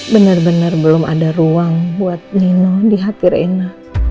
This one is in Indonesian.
bener bener belum ada ruang buat nino di hati rena